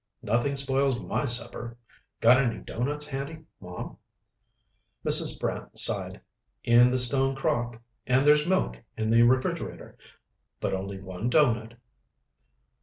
"Nothing spoils my supper. Got any doughnuts handy, Mom?" Mrs. Brant sighed. "In the stone crock. And there's milk in the refrigerator. But only one doughnut!"